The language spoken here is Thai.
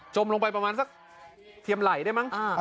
ลงไปประมาณสักเทียมไหลได้มั้ง